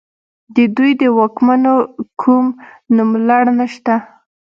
د دوی د واکمنو کوم نوملړ نشته